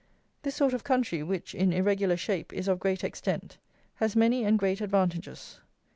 This sort of country, which, in irregular shape, is of great extent, has many and great advantages.